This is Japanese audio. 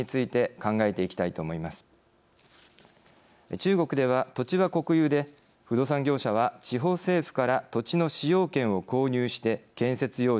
中国では土地は国有で不動産業者は地方政府から土地の使用権を購入して建設用地を確保します。